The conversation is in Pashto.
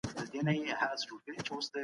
اسلام د هر چا لپاره قانون لري.